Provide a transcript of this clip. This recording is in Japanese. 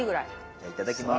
じゃあいただきます。